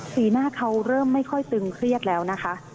สีหน้าเขาเริ่มไม่ค่อยตึงเครียดแล้วนะคะ